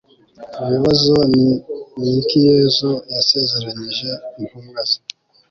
ibibazo ni iki yesu yasezeranyije intumwa ze